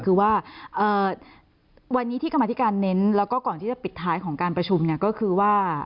คือว่าวันนี้ที่กรรมธิการเน้นแล้วก็ก่อนที่จะปิดท้ายของการประชุมเนี่ยก็คือว่า